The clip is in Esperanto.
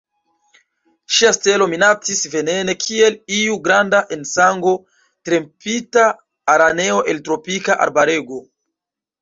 Ŝia stelo minacis venene kiel iu granda en sango trempita araneo el tropika arbarego.